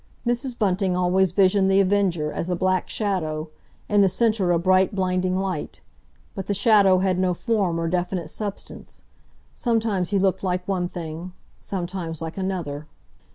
Mrs. Bunting always visioned The Avenger as a black shadow in the centre a bright blinding light—but the shadow had no form or definite substance. Sometimes he looked like one thing, sometimes like another